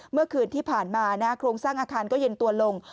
เมื่อคืนที่ผ่านมาโครงสร้างอาคารก็เย็นตัวลง